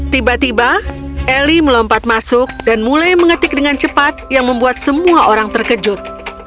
tiba tiba eli melompat masuk dan mulai mengetik dengan cepat yang membuat semua orang terkejut